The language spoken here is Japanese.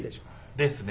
ですね。